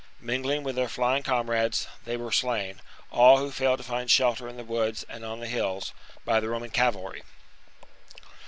Mingling with their flying comrades, they were slain — all who failed to find shelter in the woods and on the hills — by the Roman cavalry.